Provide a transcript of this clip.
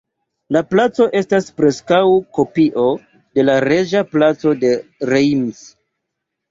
La placo estas preskaŭ kopio de la Reĝa Placo de Reims.